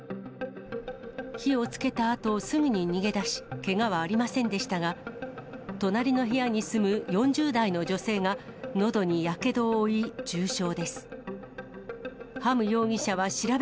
火をつけたあと、すぐに逃げ出し、けがはありませんでしたが、隣の部屋に住む４０代の女性が、のどにやけどを負い、重傷です。